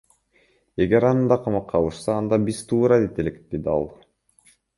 Эгер аны да камакка алышса анда биз туура дейт элек, — деди ал.